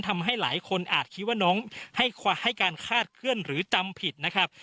ทำให้หลายคนอาจคิดว่าน้องให้การคาดเคลื่อนหรือจำผิดนะครับ